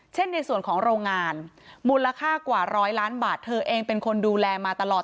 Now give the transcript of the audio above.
ในส่วนของโรงงานมูลค่ากว่าร้อยล้านบาทเธอเองเป็นคนดูแลมาตลอด